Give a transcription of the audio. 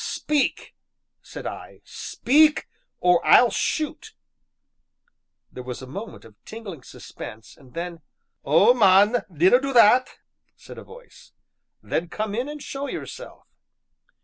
"Speak!" said I, "speak, or I'll shoot." There was a moment of tingling suspense, and then: "Oh, man, dinna do that!" said a voice. "Then come in and show yourself!"